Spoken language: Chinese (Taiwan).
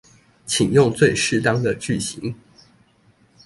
請用最適當的句型